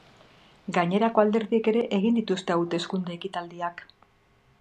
Gainerako alderdiek ere egin dituzte hauteskunde ekitaldiak.